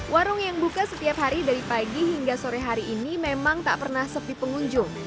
warung yang buka setiap hari dari pagi hingga sore hari ini memang tak pernah sepi pengunjung